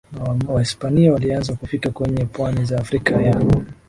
na Wahispania walianza kufika kwenye pwani za Afrika ya